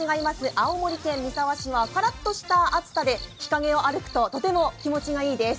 青森県三沢市はカラッとした暑さで日陰を歩くととても気持ちがいいです。